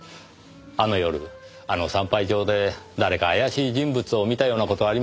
あの夜あの産廃場で誰か怪しい人物を見たような事はありませんでしたか？